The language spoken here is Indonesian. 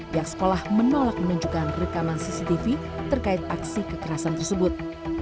pihak sekolah menolak menunjukkan rekaman cctv terkait aksi kekerasan tersebut